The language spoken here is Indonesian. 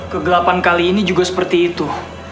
kegelapan kali ini juga seperti itu